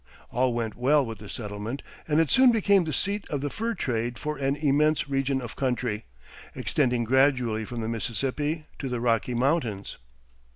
All went well with the settlement, and it soon became the seat of the fur trade for an immense region of country, extending gradually from the Mississippi to the Rocky Mountains.